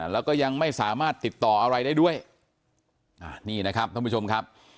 แล้วก็ยังไม่สามารถติดต่ออะไรได้ด้วยนี่นะครับท่านผู้ชมครับ